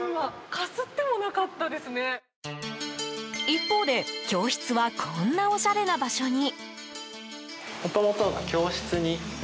一方で、教室はこんなおしゃれな場所に。